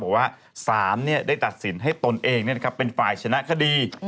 บอกว่าสารได้ตัดสินให้ตนเองเป็นฝ่ายชนะคดี